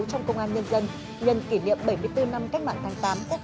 trong công an nhân dân nhân kỷ niệm bảy mươi bốn năm cách mạng tháng tám